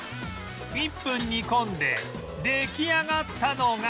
１分煮込んで出来上がったのが